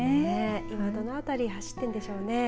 今どの辺り走っているんでしょうね。